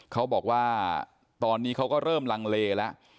เขาบอกว่าตอนนี้เขาก็เริ่มลังเลแล้ว